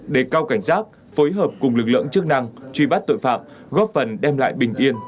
để cao cảnh giác phối hợp cùng lực lượng chức năng truy bắt tội phạm góp phần đem lại bình yên cho xã hội